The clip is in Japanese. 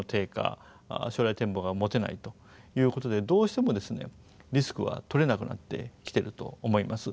将来展望が持てないということでどうしてもリスクはとれなくなってきてると思います。